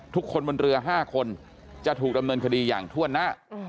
คนบนเรือ๕คนจะถูกดำเนินคดีอย่างถ้วนหน้า